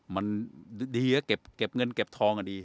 มันดีก็เก็บเงินเก็บทองอ่ะดี